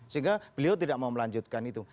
sehingga beliau tidak mau melanjutkan itu